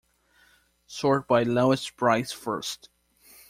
Sort by lowest price first.